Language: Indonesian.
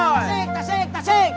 tasik tasik tasik